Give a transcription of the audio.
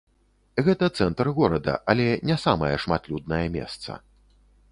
Гэта цэнтр горада, але не самае шматлюднае месца.